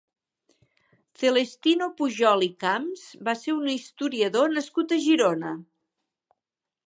Celestino Pujol i Camps va ser un historiador nascut a Girona.